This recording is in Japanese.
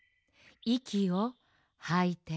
いきをはいて。